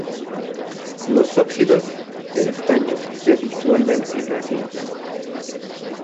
Los óxidos de estaño se disuelven en ácidos.